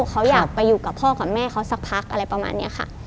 เขาอยากไปอยู่กับพ่อกับแม่เขาสักพักอะไรประมาณนี้ค่ะ